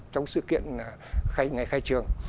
trong sự kiện ngày khai trường